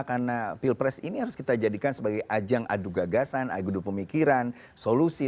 karena pilpres ini harus kita jadikan sebagai ajang adu gagasan adu pemikiran solusi